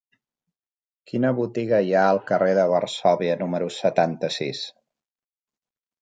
Quina botiga hi ha al carrer de Varsòvia número setanta-sis?